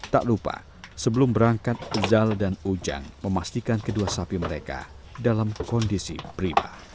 tak lupa sebelum berangkat uzal dan ujang memastikan kedua sapi mereka dalam kondisi prima